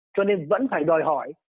cho nên vẫn phải đòi hỏi